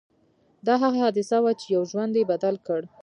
دا هغه حادثه وه چې يو ژوند يې بدل کړ.